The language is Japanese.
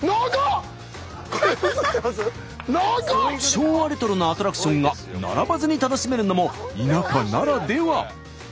昭和レトロなアトラクションが並ばずに楽しめるのも田舎ならでは。